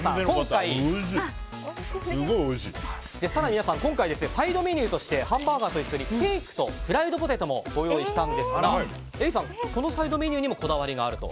更に皆さん今回、サイドメニューとしてハンバーガーと一緒にシェイクとフライドポテトもご用意したんですが、Ｅｒｉさんこのサイドメニューにもこだわりがあると。